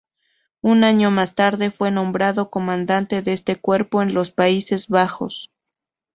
Un año más tarde, fue nombrado comandante de este cuerpo en los Países Bajos.